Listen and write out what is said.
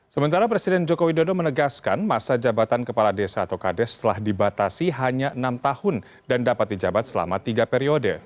sementara presiden joko widodo menegaskan masa jabatan kepala desa atau kades telah dibatasi hanya enam tahun dan dapat dijabat selama tiga periode